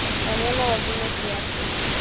wanyama wazima kiafya